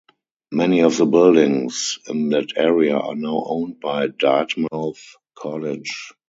Many of the buildings in that area are now owned by Dartmouth College.